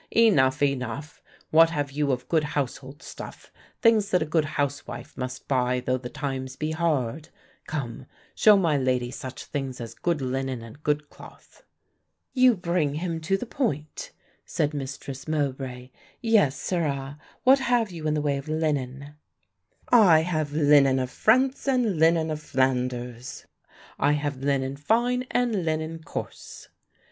"Enough, enough, what have you of good household stuff, things that a good housewife must buy though the times be hard. Come, show my lady such things as good linen and good cloth." "You bring him to the point," said Mistress Mowbray; "yes, sirrah, what have you in the way of linen?" "I have linen of France and linen of Flanders; I have linen fine and linen coarse."